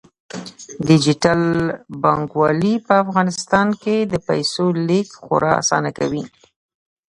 ډیجیټل بانکوالي په افغانستان کې د پیسو لیږد خورا اسانه کوي.